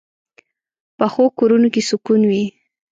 پخو کورونو کې سکون وي